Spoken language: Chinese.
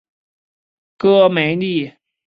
戈梅利。